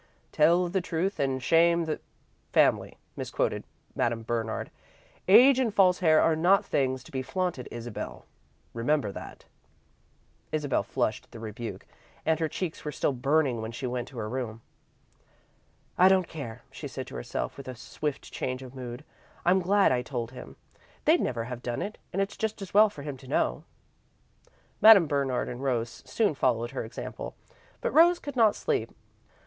"'Tell the truth and shame the family,'" misquoted Madame Bernard. "Age and false hair are not things to be flaunted, Isabel, remember that." Isabel flushed at the rebuke, and her cheeks were still burning when she went to her room. "I don't care," she said to herself, with a swift change of mood. "I'm glad I told him. They'd never have done it, and it's just as well for him to know." Madame Bernard and Rose soon followed her example, but Rose could not sleep.